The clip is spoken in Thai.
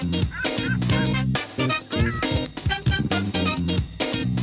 นี่เจ็บอกคู่แข่งตุ๋มตามาแล้ว